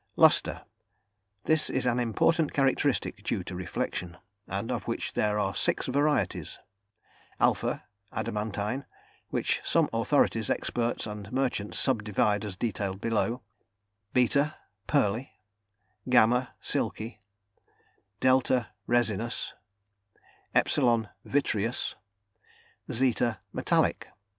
~Lustre.~ This is an important characteristic due to reflection, and of which there are six varieties: ([alpha]) adamantine (which some authorities, experts and merchants subdivide as detailed below); ([beta]) pearly; ([gamma]) silky; ([delta]) resinous; ([epsilon]) vitreous; ([zeta]) metallic.